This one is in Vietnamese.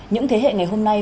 những thế hệ ngày hôm nay